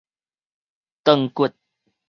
腸骨